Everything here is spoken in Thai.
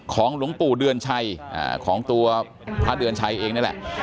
หลวงปู่เดือนชัยของตัวพระเดือนชัยเองนั่นแหละ